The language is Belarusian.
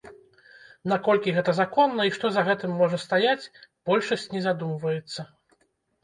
Наколькі гэта законна і што за гэтым можа стаяць, большасць не задумваецца.